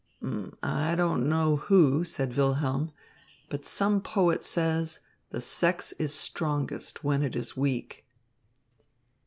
"I don't know who," said Wilhelm, "but some poet says, the sex is strongest when it is weak."